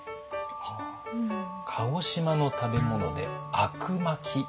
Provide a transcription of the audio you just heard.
鹿児島の食べ物で「あくまき」といいます。